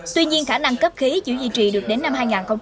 tuy nhiên khả năng cấp khí chỉ duy trì được đến năm hai nghìn hai mươi